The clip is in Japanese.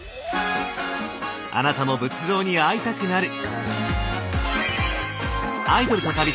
あなたも仏像に会いたくなる！